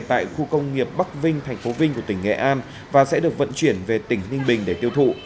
tại khu công nghiệp bắc vinh tp vinh của tỉnh nghệ an và sẽ được vận chuyển về tỉnh ninh bình để tiêu thụ